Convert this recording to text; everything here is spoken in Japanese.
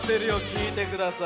きいてください。